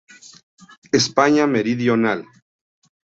España meridional.